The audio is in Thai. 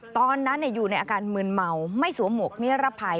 ตอนนั้นอยู่ในอาการมืนเมาไม่สวมหมวกนิรภัย